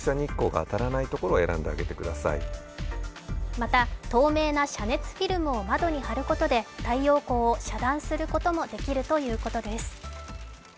また、透明な遮熱フィルムを窓に貼ることで太陽光を遮断することもできるということです。